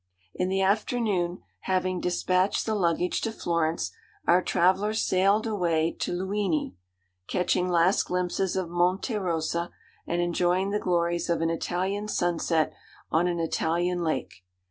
In the afternoon, having despatched the luggage to Florence, our travellers sailed away to Luini, catching last glimpses of Monte Rosa, and enjoying the glories of an Italian sunset on an Italian lake.